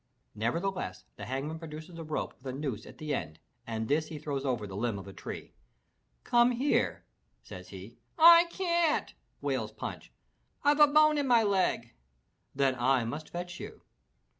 Nevertheless the Hangman produces a rope with a noose at the end, and this he throws over the limb of a tree. Comehere!" says he. "I can't," wails Punch. "I've a bone in my leg!" "Then I must fetch you!"